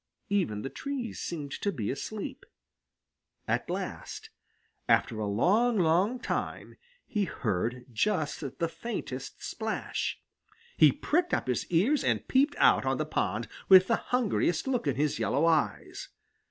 Even the trees seemed to be asleep. At last, after a long, long time, he heard just the faintest splash. He pricked up his ears and peeped out on the pond with the hungriest look in his yellow eyes.